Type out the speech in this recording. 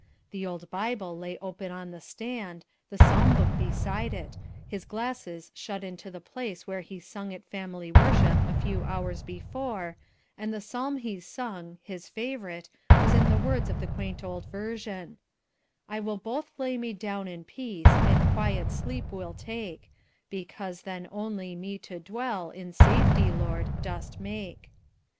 The old Bible lay open on the stand, the psalm book beside it, his glasses shut into the place where he sung at family worship a few hours before, and the psalm he sung his favourite was in the words of the quaint old version: "I will both lay me down in peace, And quiet sleep will take; Because then only me to dwell In safety, Lord, dost make."